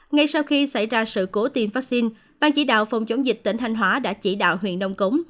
ngay sau khi xảy ra sự cố tiêm vaccine ban chỉ đạo phòng chống dịch tỉnh thanh hóa đã chỉ đạo huyện nông cống